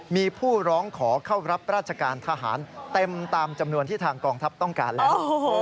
มีผู้ร้องขอเข้ารับราชการทหารเต็มตามจำนวนที่ทางกองทัพต้องการแล้ว